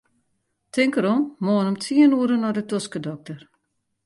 Tink derom, moarn om tsien oere nei de toskedokter.